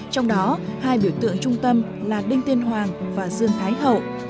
trong đó hai biểu tượng trung tâm là đinh tiên hoàng và dương thái hậu